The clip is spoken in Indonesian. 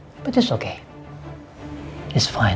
tapi tidak apa apa